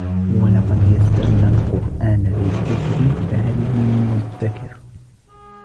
وَلَقَدْ يَسَّرْنَا الْقُرْآنَ لِلذِّكْرِ فَهَلْ مِنْ مُدَّكِرٍ